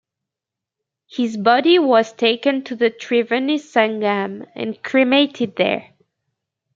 His body was taken to the triveni sangam and cremated there.